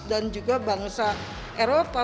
dan juga bangsa eropa